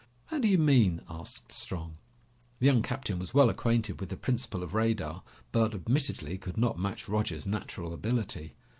"How do you mean?" asked Strong. The young captain was well acquainted with the principle of radar but, admittedly, could not match Roger's natural ability.